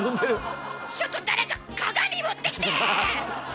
ちょっと誰か鏡持ってきて！